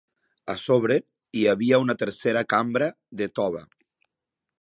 A sobre hi havia una tercera cambra de tova.